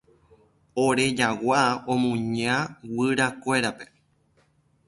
Ore jagua omuña guyrakuérape.